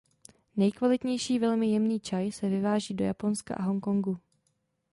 Nejkvalitnější velmi jemný čaj se vyváží do Japonska a Hong Kongu.